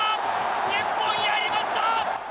日本、やりました！